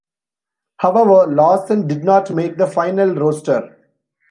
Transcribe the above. However, Lawson did not make the final roster.